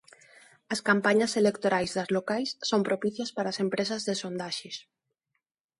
As campañas electorais das locais son propicias para as empresas de sondaxes.